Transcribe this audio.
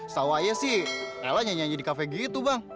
setawa aja sih ella nyanyi di kafe gitu bang